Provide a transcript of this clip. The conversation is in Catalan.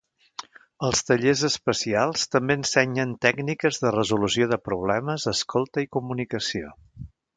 Els tallers especials també ensenyen tècniques de resolució de problemes, escolta i comunicació.